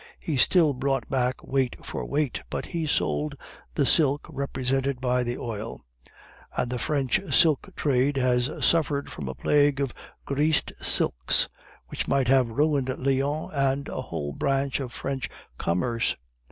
He still brought back weight for weight, but he sold the silk represented by the oil; and the French silk trade has suffered from a plague of 'greased silks,' which might have ruined Lyons and a whole branch of French commerce.